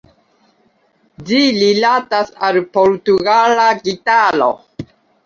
Ĝi rilatas al Portugala gitaro.